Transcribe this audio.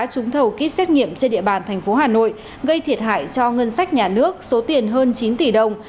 trúng thầu kýt xét nghiệm trên địa bàn thành phố hà nội gây thiệt hại cho ngân sách nhà nước số tiền hơn chín tỷ đồng